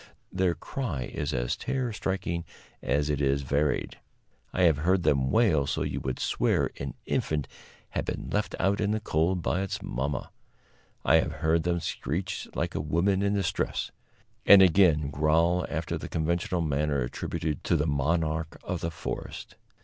Their cry is as terror striking as it is varied. I have heard them wail so you would swear an infant had been left out in the cold by its mamma; I have heard them screech like a woman in distress; and, again, growl after the conventional manner attributed to the monarch of the forest.